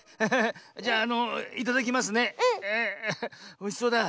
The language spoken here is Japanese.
おいしそうだ。